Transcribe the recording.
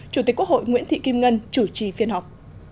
chủ tịch quốc hội nguyễn thị kim ngân chủ trì phiên họp